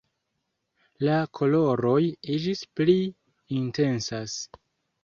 La koloroj iĝis pli intensaj.